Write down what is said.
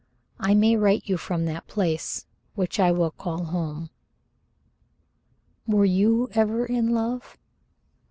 I may write you from that place which I will call home Were you ever in love?"